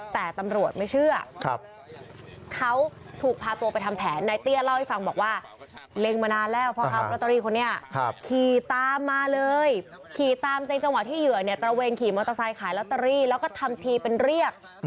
แต่ตำรวจไม่เชื่อเขาถูกพาตัวไปทำแผนนายเตี้ยเล่าให้ฟังบอกว่าเล็งมานานแล้วพ่อค้าลอตเตอรี่คนนี้ขี่ตามมาเลยขี่ตามในจังหวะที่เหยื่อเนี่ยตระเวนขี่มอเตอร์ไซค์ขายลอตเตอรี่แล้วก็ทำทีเป็นเรียก